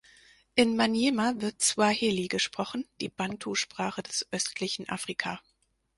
In Maniema wird Swahili gesprochen, die Bantu-Sprache des östlichen Afrika.